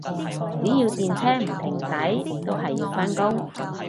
只要電車唔停駛，都係要返工